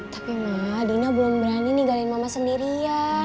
tapi ma dina belum berani ninggalin mama sendirian